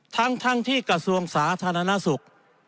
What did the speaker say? ทั้งที่กระทรวงสาธารณสุข